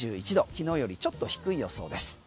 昨日よりちょっと低い予想です。